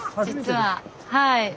はい。